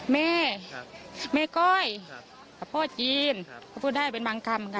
แม่แม่ก้อยพ่อจีนพูดได้เป็นบางคำค่ะค่ะ